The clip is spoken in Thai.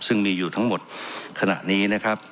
ซึ่งมีอยู่ทั้งหมดขณะนี้นะครับ